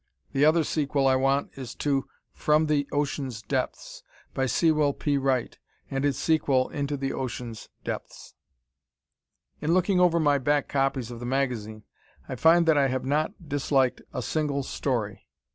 The other sequel I want is to "From The Ocean's Depths," by Sewell P. Wright, and its sequel "Into The Ocean's Depths." In looking over my back copies of the magazine I find that I have not disliked a single story.